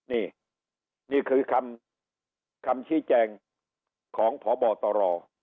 นี่นี่คือคำชี้แจงของพบตร